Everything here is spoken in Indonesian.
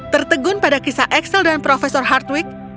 tertegun pada kisah axel dan profesor hardwig